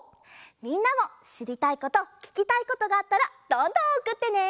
みんなもしりたいことききたいことがあったらどんどんおくってね！